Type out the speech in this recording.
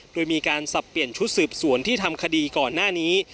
โดยมีการสับเปลี่ยนชุดสืบสวนที่ทำคดีก่อนหน้านี้